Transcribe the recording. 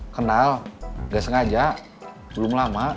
kenal nggak sengaja belum lama